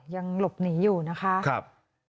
ยังหลบหนีอยู่นะคะ